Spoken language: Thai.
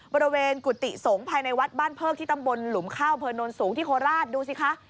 บริเวณกุฏิสงฆ์ภายในวัดบ้านเพิกที่ตำบลหลุมข้าวเผลอนนสูงที่โคราชดูสิคะ